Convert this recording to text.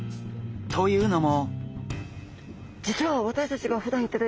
というのも。